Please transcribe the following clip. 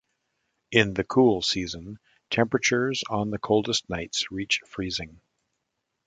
In the cool season, temperatures on the coldest nights reach freezing.